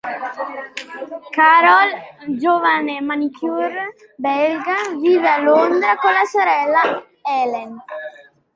Carol, giovane manicure belga, vive a Londra con la sorella Hélène.